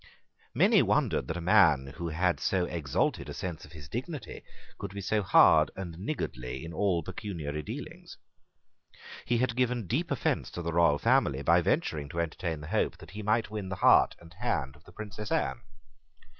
Many wondered that a man who had so exalted a sense of his dignity could be so hard and niggardly in all pecuniary dealings. He had given deep offence to the royal family by venturing to entertain the hope that he might win the heart and hand of the Princess Anne.